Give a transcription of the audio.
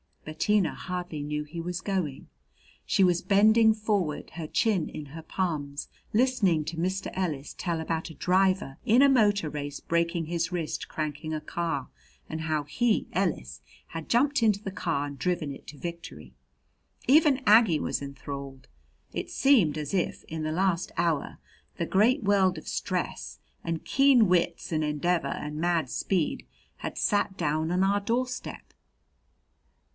Bettina hardly knew he was going. She was bending forward, her chin in her palms, listening to Mr. Ellis tell about a driver in a motor race breaking his wrist cranking a car, and how he Ellis had jumped into the car and driven it to victory. Even Aggie was enthralled. It seemed as if, in the last hour, the great world of stress and keen wits and endeavor and mad speed had sat down on our door step.